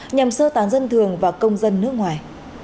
nhằm sơ tán dân thường và công dân nước ngoài